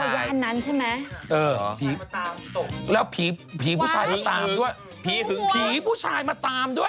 ผู้ชายมาตามเอ๊ะเหรอแล้วผีผู้ชายมาตามด้วยผิ้ผู้ชายมาตามด้วย